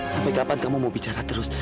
sampai kapan kamu mau bicara terus